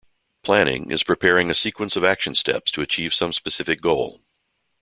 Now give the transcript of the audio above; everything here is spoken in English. Planning is preparing a sequence of action steps to achieve some specific goal.